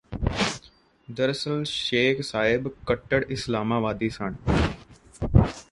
ਦਰਅਸਲ ਸ਼ੇਖ਼ ਸਾਹਿਬ ਕੱਟੜ ਇਸਲਾਮਵਾਦੀ ਸਨ